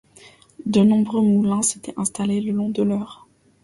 De nombreux moulins s'étaient installés le long de l'Eure.